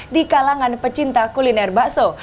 di kalangan pecinta kuliner bakso